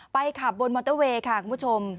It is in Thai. ขับบนมอเตอร์เวย์ค่ะคุณผู้ชม